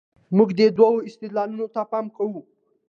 موږ دې دوو استدلالونو ته پام کوو.